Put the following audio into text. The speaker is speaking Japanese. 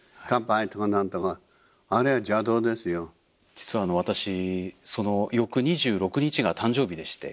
実は私翌２６日が誕生日でして。